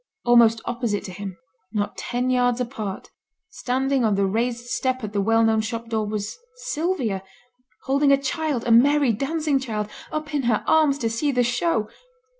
Almost opposite to him, not ten yards apart, standing on the raised step at the well known shop door, was Sylvia, holding a child, a merry dancing child, up in her arms to see the show.